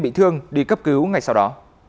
bị thương đi cấp cứu ngay sau đó